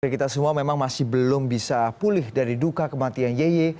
kita semua memang masih belum bisa pulih dari duka kematian yeye